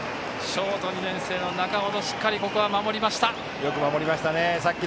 ショート、２年生の仲程しっかりここは守りました。